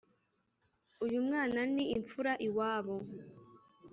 uyu mwana ni imfura iwabo.